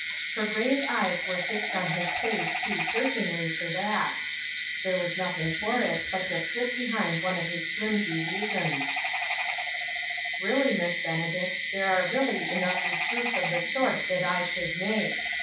Her grave eyes were fixed on his face too searchingly for 1/4 INTERRUPTED. that. There was nothing for it but to flit behind one of his flimsy reasons :" Really, Miss Benedict, there are already enough recruits of the sort that I should make.